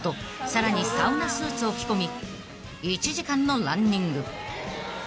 さらにサウナスーツを着込み１時間のランニング］